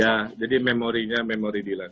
ya jadi memorinya memori bilang